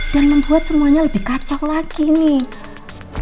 dan membuat semuanya lebih kacau lagi nih